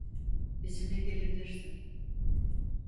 Bizimle gelebilirsin.